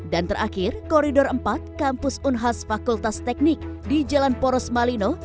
dan terakhir koridor empat kampus unhas fakultas teknik di jalan poros malino